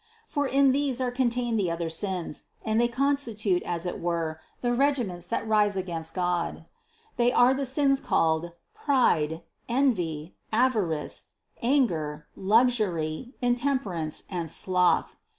For in these are contained the other sins and they constitute as it were the regiments that rise up against God. They are the sins called pride, envy, avarice, anger, luxury, intemperance and sloth.